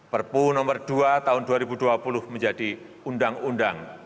perpu nomor dua tahun dua ribu dua puluh menjadi undang undang